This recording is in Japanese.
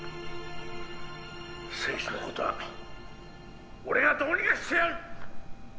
政治のことは俺がどうにかしてやる！